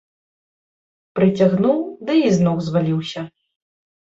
Прыцягнуў ды і з ног зваліўся.